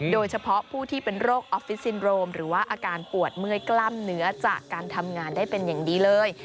โดยเฉพาะผู้ที่เป็นโรคออฟฟิศซินโรมหรือว่าอาการปวดเมื่อยกล้ามเนื้อจากการทำงานได้เป็นอย่างดีเลย